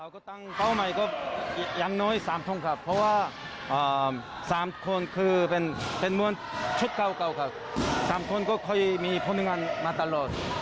๓คนก็คอยมีพลังงานมาตลอด